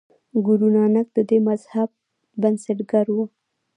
ګورو نانک د دې مذهب بنسټګر و.